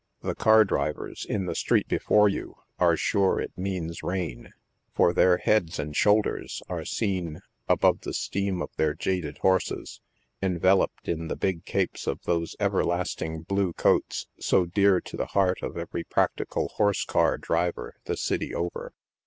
The car drivers, in the street before you, are sure it means rain, for their heads and shoulders are seen — above the steam of their jaded horses— enveloped in the big capes of those everlasting blue coats so dear to the heart of every practical horse car driver the city over.